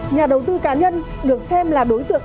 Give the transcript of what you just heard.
nhà đầu tư cá nhân được xem là đối tượng